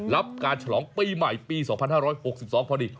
รับการฉลองปีใหม่ปี๒๕๖๒พอดี